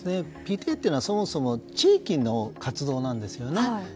ＰＴＡというのはそもそも地域の活動なんですよね。